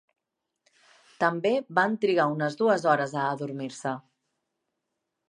També van trigar unes dues hores a adormir-se.